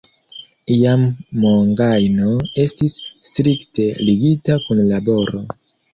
Iam mongajno estis strikte ligita kun laboro.